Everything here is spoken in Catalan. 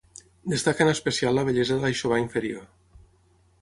Destaca en especial la bellesa de l'aixovar inferior.